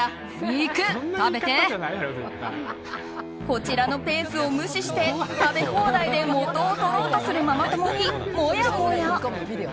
こちらのペースを無視して食べ放題で元を取ろうとするママ友にもやもや。